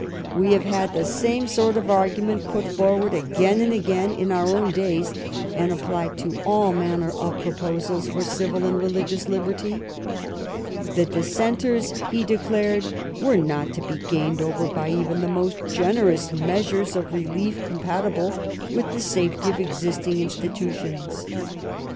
We have had the same sort of argument put forward again and again in our own days, and applied to all manner of proposals for civil and religious liberty. The Dissenters, he declared, were not to be gained over by even the most generous measures of relief com patible with the safety of existing institutions.